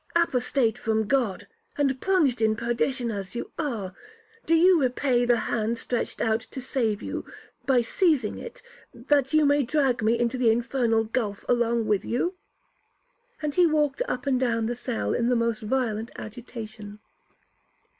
Apostate from God, and plunged in perdition as you are, do you repay the hand stretched out to save you, by seizing it, that you may drag me into the infernal gulph along with you?' and he walked up and down the cell in the most violent agitation.